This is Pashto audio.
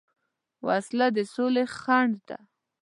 وسله د سولې خنډ ده